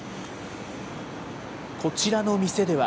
こちらの店では。